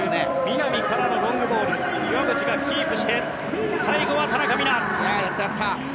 南からのロングボール岩渕がキープしてやった、やった。